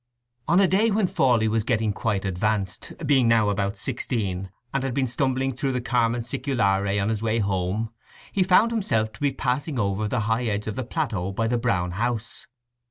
On a day when Fawley was getting quite advanced, being now about sixteen, and had been stumbling through the "Carmen Sæculare," on his way home, he found himself to be passing over the high edge of the plateau by the Brown House.